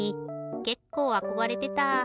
けっこうあこがれてた。